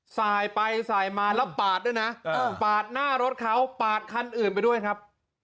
สายไปสายมาแล้วปาดด้วยนะปาดหน้ารถเขาปาดคันอื่นไปด้วยครับ